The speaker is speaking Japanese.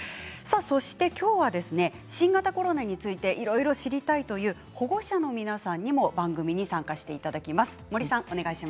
そしてきょうは新型コロナについていろいろ知りたいという保護者の皆さんにも番組に参加していただきます。